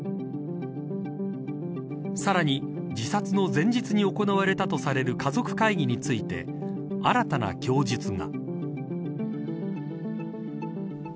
さらに自殺の前日に行われたとされる家族会議について新たな供述が。